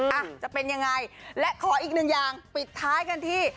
อ่ะจะเป็นยังไงและขออีกหนึ่งอย่างปิดท้ายกันที่